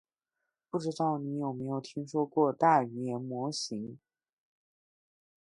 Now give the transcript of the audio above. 不知道你有没有听过大语言模型？